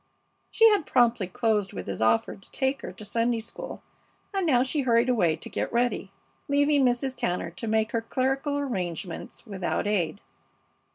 She had promptly closed with his offer to take her to Sunday school, and now she hurried away to get ready, leaving Mrs. Tanner to make her clerical arrangements without aid.